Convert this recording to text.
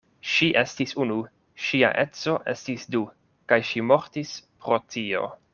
Ŝi estis unu, ŝia edzo estis du; kaj ŝi mortis pro tio.